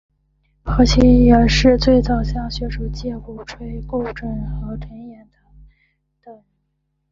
何新也是最早向学术界鼓吹顾准和陈寅恪的人。